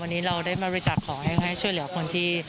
วันนี้เราได้มาบริจาคขอให้ช่วยเหลือคนที่